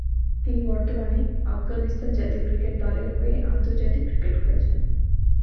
তিনি বর্তমানে আফগানিস্তান জাতীয় ক্রিকেট দল এর হয়ে আন্তর্জাতিক ক্রিকেট খেলছেন।